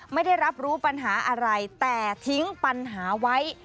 ไม่ได้รับรู้ปัญหาอะไรแต่ทิ้งปัญหาไว้